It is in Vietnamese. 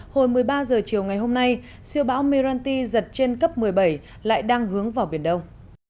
hồi một mươi ba h chiều ngày hôm nay siêu bão meranti giật trên cấp một mươi bảy lại đang hướng vào biển đông